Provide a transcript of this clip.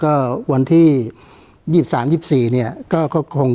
การแสดงความคิดเห็น